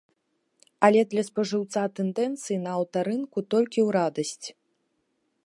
Але для спажыўца тэндэнцыі на аўтарынку толькі ў радасць.